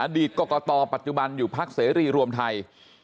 อดีตกรกตปัจจุบันอยู่ภักดิ์เสรีรวมไทย